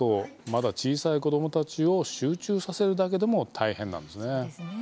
まだ小さい子どもたちを集中させるだけでも大変なんです。